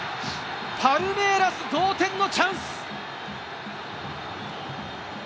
パルメイラス、同点のチャンス！